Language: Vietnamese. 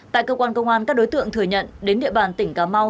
tại cơ quan công an các đối tượng thừa nhận đến địa bàn tỉnh cà mau